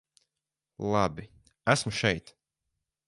Labi, esmu šeit.